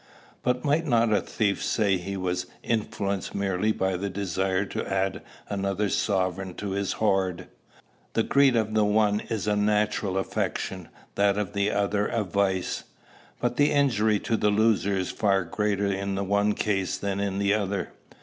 "But might not a thief say he was influenced merely by the desire to add another sovereign to his hoard?" "The greed of the one is a natural affection; that of the other a vice." "But the injury to the loser is far greater in the one case than in the other."